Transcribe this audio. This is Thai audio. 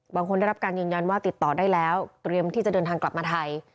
ได้รับการยืนยันว่าติดต่อได้แล้วเตรียมที่จะเดินทางกลับมาไทย